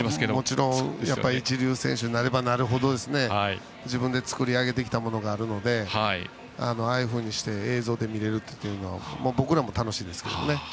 もちろん一流選手になればなるほど自分で作り上げてきたものがあるのでああいうふうにして映像で見れるというのは僕らも楽しいですね。